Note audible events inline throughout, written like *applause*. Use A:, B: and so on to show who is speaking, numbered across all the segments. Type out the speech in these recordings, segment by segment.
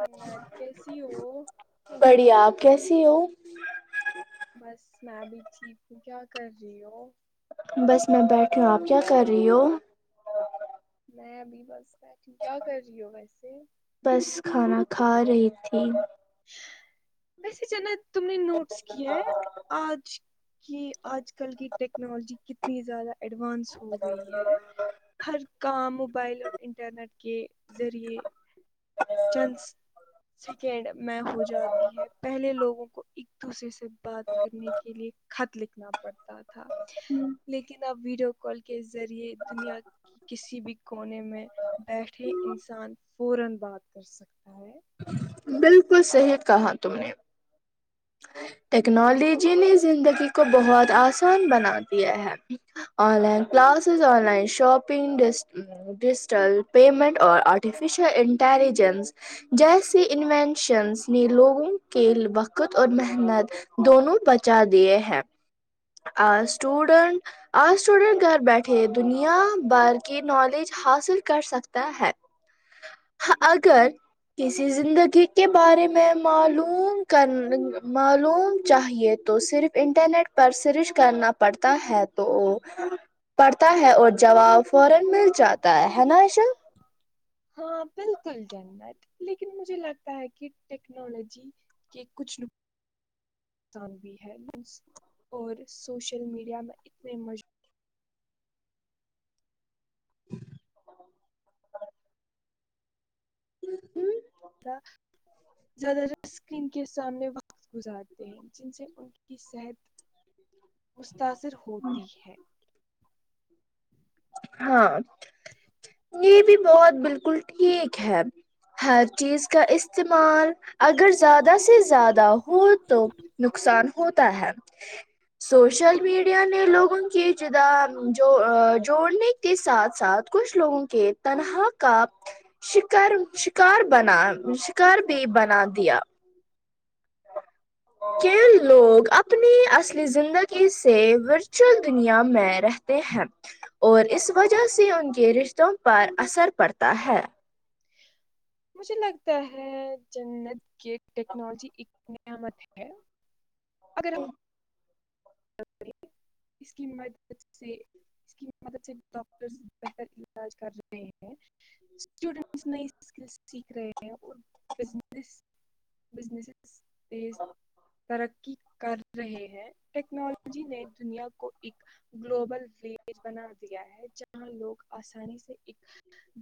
A: حنت کیسی ہو
B: بڑھیاپ کیسے *unintelligible* سیو *unintelligible*
A: بس میں بھی ٹھیک ہوں کیا کر رہی ہو *unintelligible*
B: بس میں بیٹی ہوں آپ کیا کر رہی ہو *unintelligible*
A: میں ابھی بس *unintelligible* کیا کر رہی ہو ویسے *unintelligible*
B: بس کھانا کھا رہی تھی *unintelligible*
A: وسے جن *unintelligible* تم نے نوٹس کیا ہے آج *unintelligible* کہ آج کل کی ٹیکنالوجی کتنی زیادہ ایڈوانس ہو گئی ہے ہر کام موبائل انٹر نٹ *unintelligible* کے ذریعے چندس سیکینڈ *unintelligible* میں ہو جاتی ہے پہلے لوگوں کو کو ایک دوسرے سے *unintelligible* بات کرنے کے لیے خط لکھنا پڑتا تھا لیکن اب *unintelligible* ویڈیو کال *unintelligible* کے ذریعے دنیا کی کسی بھی کونے میں بیٹھے انسان پورن باد *unintelligible* کر سکتا ہے *unintelligible*
B: بالکل صحت کہا تم نے *unintelligible* ٹیکنالوجی نے زندگی کو بہت آسان بنا دیا ہے online classes online shopping digital payment اور آرٹیفیشیل انٹیلیجنس جیسے انوینشنس نے لوگوں کے وقت *unintelligible* خود اور محنت دونوں بچا دیے ہیں آج اسٹوڈنٹ آج اسٹوڈینٹ گھر بیٹھے دنیا بھر کی نالج حاصل کر سکتا ہے اگر کسی زندگی کے بارے میں معلوم *unintelligible* معلوم چاہیے تو صرف انٹرنیٹ پر سرچ کرنا پڑتا ہے تو پڑھتا ہے اور جواب فور *unintelligible* مل جاتا ہے ہے نا ایشا *unintelligible*
A: ہاں بالکل جنت لیکن مجھے لگتا ہے کہ ٹیکنالوجی کے کچھ نقصان نقصان بھی ہے اور سوشل میڈیا میں اتنے مج *unintelligible*
B: *unintelligible* ہ *unintelligible*
A: زیادہ رسک ان کے سامنے وقت *unintelligible* گزارتے ہیں جن سے ان کی صحت *unintelligible* متاثر ہوتی ہے *unintelligible*
B: ہاں یہ بھی بہت بالکل ٹھیک ہے ہر چیز کا استعمال اگر زیادہ سے زیادہ ہو تو نقصان ہوتا ہے سوشل میڈیا نے لوگوں کی جد جو جوڑنے کے ساتھ ساتھ کچھ لوگوں کے تنہا کا شکار شکار بنا شکار بھی بنا دیا کے لوگ اپنی اصلی زندگی سے ورچوئل دنیا میں رہتے ہیں اور اس وجہ سے ان کے رشتوں پر اثر پڑتا ہے
A: مجھے لگتا ہے جنت کی ٹیکنالوجی ا نعمت ہے اگر اس کی مدد سے اس کی مد سے ڈاکٹر بہتر علاج کر رہے ہیں اسٹوڈینٹس نئی اسکل سیکھ رہے ہیں اور بس ب ترقی کر رہے ہیں ٹیکنالوجی نے کو ایک گلوبل ولیج بنا دیا ہے جہاں لوگ آسانی سے ایک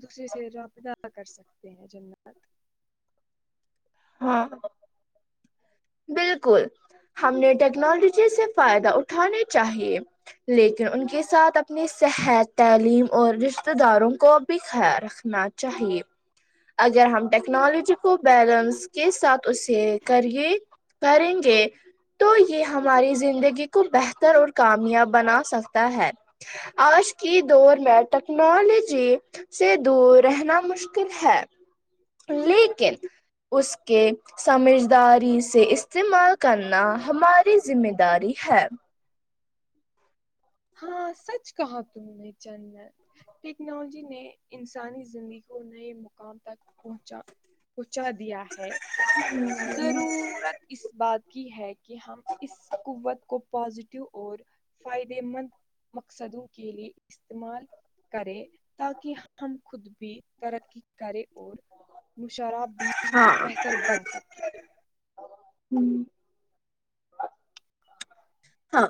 A: دوسرے سے رابط ادا کر سکتے ہیں جننات
B: ہاں بالکل ہم نے ٹیکنالوجی سے فائدہ اٹھانے چاہیے لیکن ان کے ساتھ اپنی صحت تعلیم اور رشتتے داروں کو بھی خیال رکھنا چاہیے اگر ہم ٹیکنالوجی کو بیلنس کے ساتھ اسے کرے کریں گے تو یہ ہماری زندگی کو بہتر اور کامیاب بنا سکتا ہے آج کی دور میں ٹیکنالوجی سے دور رہنا مشکل ہے لیکن اس کے سمجھداری سے استعمال کرنا ہماری ذمہ داری ہے
A: ہاں سچ کہا ت میں جل ٹیکنالوجی نے انسانی زندگی کو نئے مقام تک پہنچا پہنچا دیا ہے ضرورت اس بات ہے کہ ہم اس قوت کو پازیٹیو اور فائد مند مقصدوں کے لیے استعمال کریں تاکہ ہم خود بھی ترقی کرے اور مشرہ بھی بہتر بن سکے
B: ہوں ہاں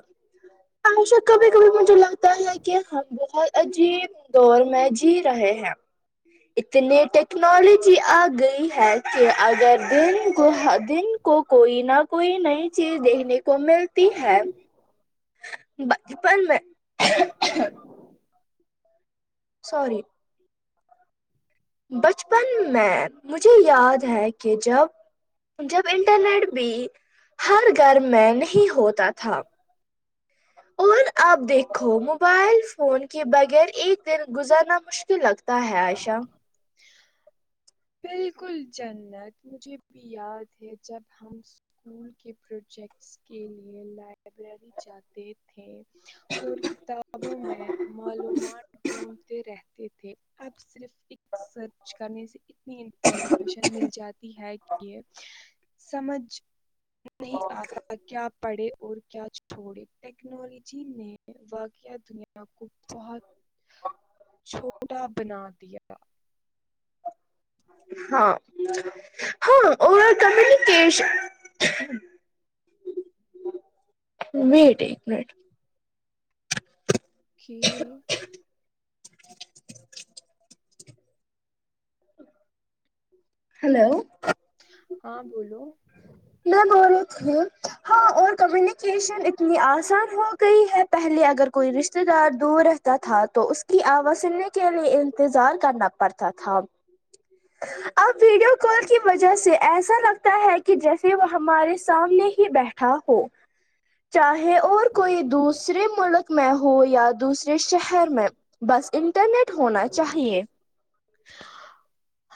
B: اشا کبھی کبھی مجھے لگتا ہے کہ ہم بہت عجیب دور میں جی رہے ہیں اتنی ٹیکنالوجی آ گئی ہے کہ اگر دن کو دن کو کوئی نہ کوئی نئی چیز دیکھنے کو ملتی ہے بچ پ میں سور بچپن میں مجھے یاد ہے کہ جب جب انٹرنیٹ بھی ہر گھر میں نہیں ہوتا تھا اور آپ دیکھو موبائل فون کے بغیر ایک دن گزرنا مشکل لگتا ت ہے ایشا
A: بالکل جنت مجھے بھی یاد ہے جب ہم اسکول کے پروجیکٹس کے لیے لائبریری جاتے تھے اور کتابوں میں معلومات ڈھونڈتے رہتے *unintelligible* اب صرف ایک سرچ کرنی سے اتنی انفارمیشن مل جاتی ہے کہ سمجھ نہیں آتا کیا پڑے اور کیا چھوڑے ٹیکنالوجی نے واقعہ دنیا *unintelligible* *unintelligible*
B: ہاں ہاں ا کمکیشن مٹ ایک منٹ
A: *unintelligible*
B: ہلو
A: ہاں بولو
B: میں بول رہی ہاں اور کمیونیکیشن اتنی آسان ہو گئی ہے پہلے اگر کوئی رشتے دار دور رہتا تھا تو اس کی آواز سننے کے لیے انتظار کرنا پڑتا تھا اب ویڈیو کال کی وجہ سے ایسا لگتا ہے کہ جیسے وہ ہمارے سامنے ہی بیٹھا ہو چاہے اور کوئی دوسرے ملک میں ہو یا دوسر جس شہر میں بس انٹرنیٹ ہونا چاہیے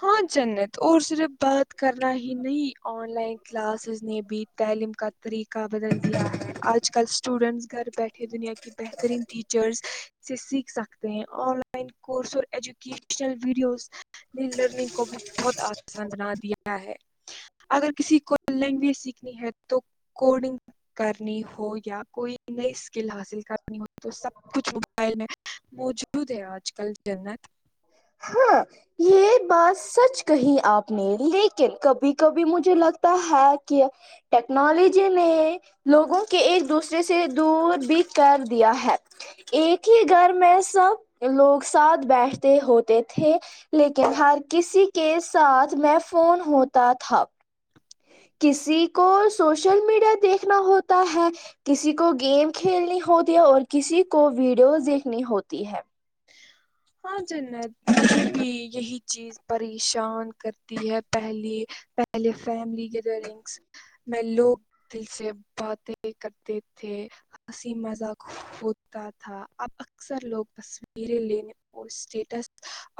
A: ہاں جنت اور صرف بات کرنا ہی نہیں آن لائن کلاسز نے بھی تعلیم کا طریقہ کا بدل دیا ہے آج کل اسٹوڈنٹس گھر بیٹھے دنیا کی بہترین ٹیچرز سے سیکھ سکتے ہیں آن لائن کورس اور ایجوکیشنل ویڈیوز نے لرننگ کو بھی بہت آسان بنا دیا ہے اگر کسی کو لینگویج سیکھنی ہے تو کوڈنگ کرنی ہو یا کوئی نئی اسکل حاصل کرنی ہو تو سب کچھ موبائل میں موجود ہے آج کل جنت
B: ہاں یہ بات سچ کہی آپ نے لیکن کبھی کبھی مجھے لگتا ہے کہ ٹیکنالوجی نے لوگوں کے ایک دوسرے سے دور بھی کر دیا ہے ایک ہی گھر میں سب لوگ ساتھ بیٹھ ہوتے تھے لیکن ہر کسی کے ساتھ میں فون ہوتا تھا کسی کو سوشل میڈیا دیکھنا ہوتا ہے کسی کو گیم کھیلنی ہوتی ہے اور کسی کو ویڈیوز دیکھنی ہوتی ہے
A: ہاں نا مجھے بھی یہی چیز پریشان کرتی ہے پہلی پہلے فیملی گیدرنگس میں لوگ دل سے باتیں کرتے تھے ہنسی مزاق ہوتا تھا اب اکثر لوگ تصویریں لینے اسٹیٹس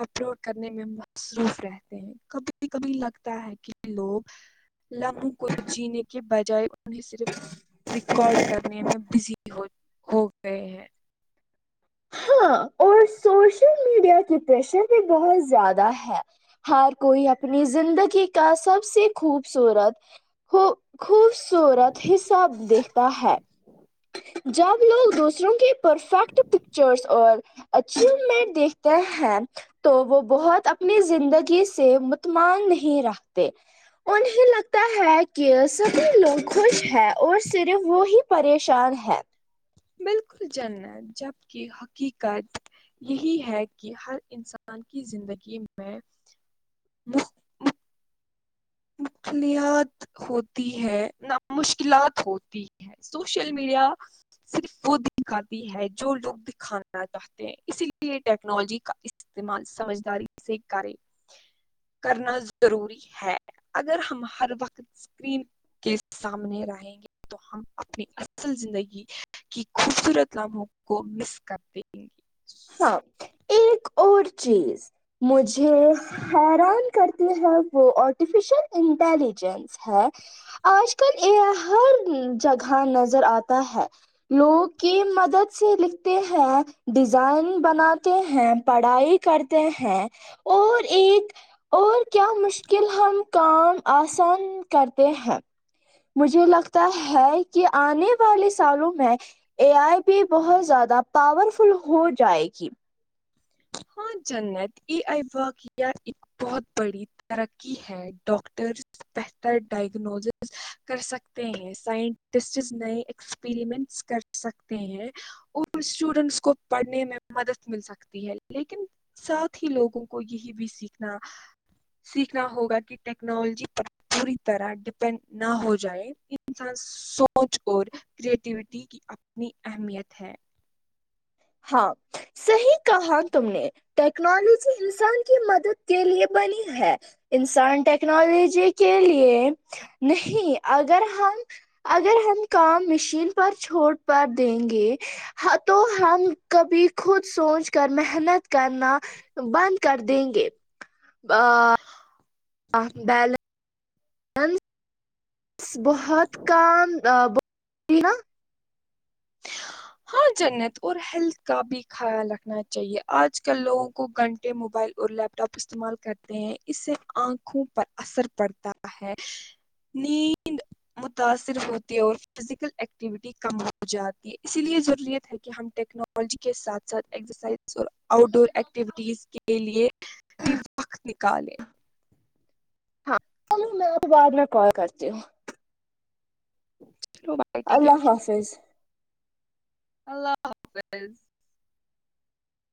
A: اپلوڈ کرنے میں مصروف رہتے ہیں کبھی کبھی لگتا ہے کہ لوگ لمح کو جینے کے بجائے انہیں صرف ریکارڈ کرنے میں بزی ہو گئے ہیں
B: ہاں اور سوشل میڈیا کی پریشر بھی بہت زیادہ ہے ہر کوئی اپنی زندگی کا سب سے خوبصورت خ خوب صورت حساب د تا ہے جب ہم لوگ دوسروں کے پرفیکٹ اور اچیمنٹ دیکھتے ہیں تو وہ بہت اپنی زندگی سے متمان نہیں رکھتے انہیں لگتا ہے کہ سبھی لوگ خوش ہیں اور صرف وہی پریشان ہے
A: بالکل جنت جبک حقیقت یہی ہے کہ ہر انسان کی زندگی میں مخلت ہوتی ہے نہ مشکلات ہوتی ہے سوشل میڈیا صرف وہ دکھاتی ہے جو لوگ دکھانا چاہتے ہیں اسی لیے ٹیکنالوجی کا استعمال سمجھداری سے کرے کرنا ضروری ہے اگر ہم ہر وقت اسکرین کے سامنے رہیں گے تو ہم اپنی اصل زندگی کی خوبصورت لمحوں کو مس کر دیں گی
B: ہاں ایک اور چیز مجھے حیران کرتی ہے وہ آرٹیفیشیل انٹیلیجنس ہے آج کل یہ ہر جگہ نظر آتا ہے لوگ کی مدد سے لکھتے ہیں ڈیزائن بناتے ہیں پڑھائی کرتے ہیں اور ایک اور کیا مشکل ہم کام آسان کرتے ہیں مجھے لگتا ہے کہ آنے والے سالوں میں اے آئی بھی بہت زیادہ پاورفل ہو جائے گی
A: ہاں جنت ا آئی وقع ایک بہت بڑی ترقی ہے ڈاکٹرس بہتر ڈائگنوزز کر سکتے ہیں سائنٹسٹ نئے ایکسپریمنٹس کر سکتے ہیں اور اسٹوڈینٹس کو پڑھنے میں مدد مل سکتی ہے لیکن ساتھ ہی لوگوں کو یہی بھینا سیکھنا ہوگا کہ ٹیکنالوجی پر پوری طرح ڈپینڈ نہ ہو جائے انسان سوچ اور کریٹیوٹی کی اپنی اہمیت ہے
B: ہاں صحیح کہا تم نے ٹیکنالوجی انسان کی مدد کے لیے بنی ہے انسان ٹیکنالوجی کے لیے نہیں اگر ہم اگر ہم کام مشین پر چھوڑ پر دیں گے تو ہم کبھی خود سوچ کر محنت کرنا بند کر دیں گے ہ بیلنس ہند بس بہت کام ب ٹھیک
A: ہاں جنت اور ہیلتھ کا بھی خیال رکھنا چاہیے آج کل لوگوں کو گھنٹے موبائل اور لیپ ٹاپ استعمال کرتے ہیں اس سے آنکھوں پر اثر پڑتا ہے نیند متاثر ہوتی ہے اور فزیکل ایکٹیویٹی کم ہو جاتی اسی لیے ضروریت ہے کہ ہم ٹیکنالوجی کے ساتھ ساتھ ایکسرسائز اور آؤٹ ڈور ایکٹیویٹیز کے لیے بھی وقت نکالیں
B: ہاں میں تو بعد میں کال کرتی ہوں
A: اوکے
B: اللہ حافظ
A: اللہ حافظ